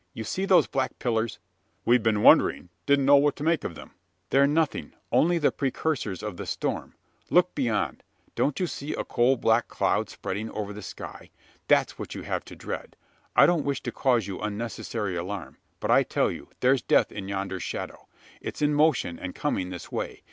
You see those black pillars?" "We've been wondering didn't know what to make of them." "They're nothing only the precursors of the storm. Look beyond! Don't you see a coal black cloud spreading over the sky? That's what you have to dread. I don't wish to cause you unnecessary alarm: but I tell you, there's death in yonder shadow! It's in motion, and coming this way.